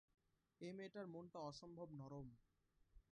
এই মেয়েটার মনটা অসম্ভব নরম।